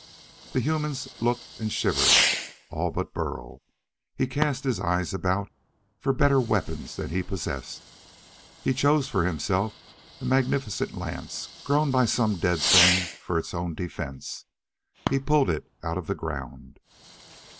The humans looked and shivered, all but Burl. He cast his eyes about for better weapons than he possessed. He chose for himself a magnificent lance grown by some dead thing for its own defense. He pulled it out of the ground.